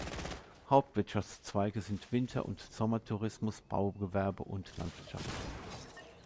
Hauptwirtschaftszweige sind Winter- und Sommertourismus, Baugewerbe und Landwirtschaft.